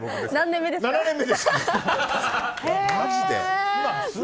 ７年目です。